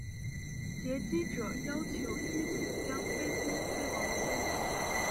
劫机者要求机组将飞机飞往伦敦。